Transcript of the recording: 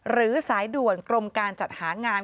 หรือสายด่วนกรมการจัดหางาน